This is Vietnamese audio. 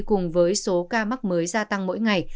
cùng với số ca mắc mới gia tăng mỗi ngày